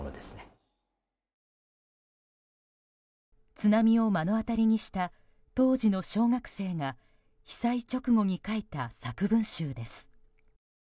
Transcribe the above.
津波を目の当たりにした当時の小学生が被災直後に書いた作文集です。